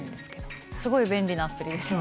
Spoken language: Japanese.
すごい便利なアプリですね。